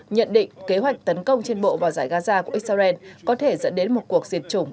nhận định kế hoạch tấn công trên bộ vào giải gaza của israel có thể dẫn đến một cuộc diệt chủng